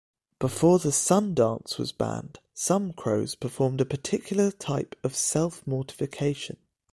Before the Sun Dance was banned some Crows performed a particular type of self-mortification.